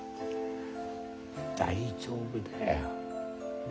大丈夫だよ。